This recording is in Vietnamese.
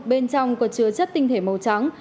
bên trong có chứa chất tinh thể màu trắng